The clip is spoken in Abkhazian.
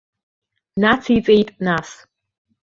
Нациҵеит нас.